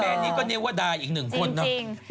แบรนด์นี้ก็เนวาดาอีกหนึ่งคนนะ